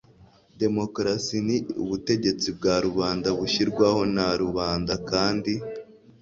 demokarasi ni ubutegetsi bwa rubanda bushyirwaho na rubanda kandi